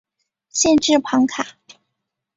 县治庞卡。